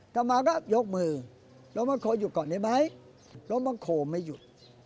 ก็มาก็ยกมือรถมะโคอยู่ก่อนเนี่ยไหมรถมะโคไม่หยุด